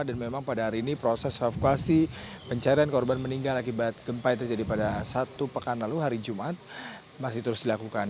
dan memang pada hari ini proses evakuasi pencarian korban meninggal akibat gempai terjadi pada satu pekan lalu hari jumat masih terus dilakukan